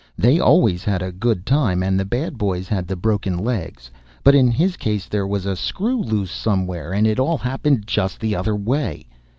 They always had a good time, and the bad boys had the broken legs; but in his case there was a screw loose somewhere, and it all happened just the other way.